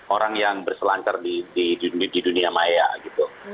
orang yang berselancar di dunia maya gitu